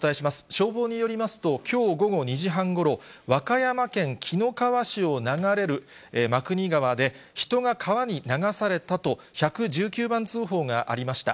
消防によりますと、きょう午後２時半ごろ、和歌山県紀の川市を流れる真国川で、人が川に流されたと１１９番通報がありました。